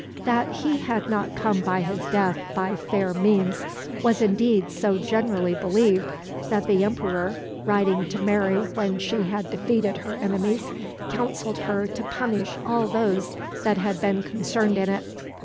That he had not come by his death by fair means was indeed so generally believed that the Emperor, writing to Mary when she had defeated her enemies, counselled her to punish all those that had been concerned in it.